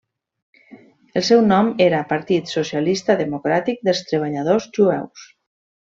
El seu nom era Partit Socialista Democràtic dels Treballadors Jueus.